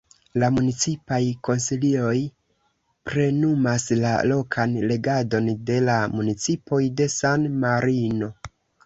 La Municipaj Konsilioj plenumas la lokan regadon de la municipoj de San-Marino.